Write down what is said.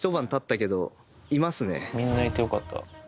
みんないてよかった。